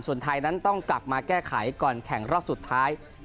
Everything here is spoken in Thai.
ส่วนไทยนั้นต้องกลับมาแก้ไขก่อนแข่งรอบสุดท้าย